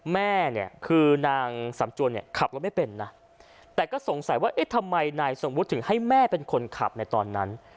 แม่เนี่ยคือนางสำจวนเนี่ยขับรถไม่เป็นนะแต่ก็สงสัยว่าเอ๊ะทำไมนายสมมุติถึงให้แม่เป็นคนขับในตอนนั้น